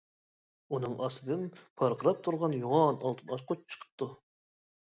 ئۇنىڭ ئاستىدىن پارقىراپ تۇرغان يوغان ئالتۇن ئاچقۇچ چىقىپتۇ.